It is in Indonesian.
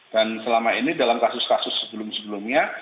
dan selama ini dalam kasus kasus sebelum sebelumnya